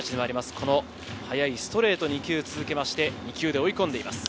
この速いストレートに２球続けまして、追い込んでいます。